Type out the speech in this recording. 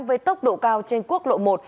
với tốc độ cao trên quốc lộ một